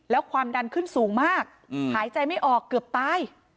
แล้วความดันขึ้นสูงมากหายใจไม่ออกเกือบตาย